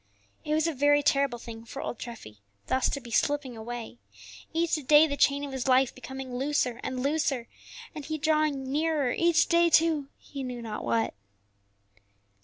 It was a very terrible thing for old Treffy thus to be slipping away, each day the chain of his life becoming looser and looser, and he drawing nearer each day to he knew not what.